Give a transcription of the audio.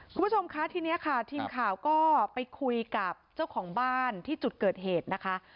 คุณผู้ชมคะทีนี้ค่ะทีมข่าวก็ไปคุยกับเจ้าของบ้านที่จุดเกิดเหตุนะคะ